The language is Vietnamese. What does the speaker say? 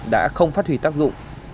đã không phát huy tác dụng